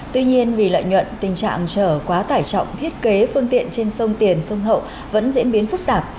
tuy nhiên vì lợi nhuận tình trạng trở quá tải trọng thiết kế phương tiện trên sông tiền sông hậu vẫn diễn biến phức tạp